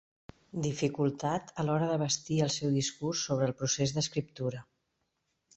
“dificultat” a l'hora de bastir el seu discurs sobre el procés d'escriptura.